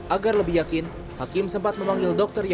agar lebih yakin hakim sempat memanggil dokter yang